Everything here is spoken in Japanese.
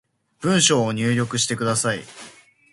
文章を入力してください